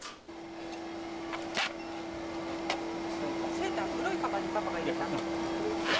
セーター黒いかばんにパパが入れたの。